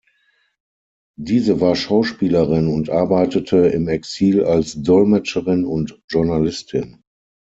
Diese war Schauspielerin und arbeitete im Exil als Dolmetscherin und Journalistin.